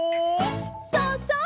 そうそう！